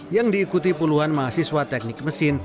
yang diikuti puluhan mahasiswa teknik mesin